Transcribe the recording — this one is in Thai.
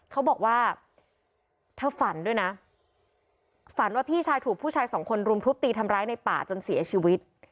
เขาบอกว่าเธอฝันด้วยนะฝันว่าพี่ชายถูกผู้ชายสองคนรุมทุบตีทำร้ายในป่าจนเสียชีวิต